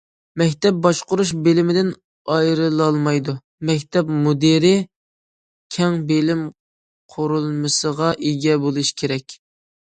مەكتەپ باشقۇرۇش بىلىمدىن ئايرىلالمايدۇ، مەكتەپ مۇدىرى كەڭ بىلىم قۇرۇلمىسىغا ئىگە بولۇشى كېرەك.